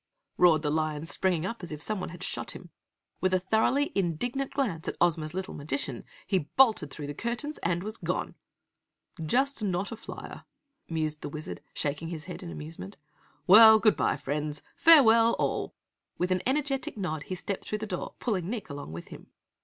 roared the Lion, springing up as if someone had shot him. With a thoroughly indignant glance at Ozma's little magician, he bolted through the curtains and was gone. "Just not a flyer!" mused the Wizard, shaking his head in amusement. "Well, Goodbye, Friends! Farewell all!" With an energetic nod he stepped through the door, pulling Nick along with him.